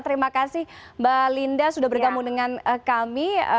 terima kasih mbak linda sudah bergabung dengan kami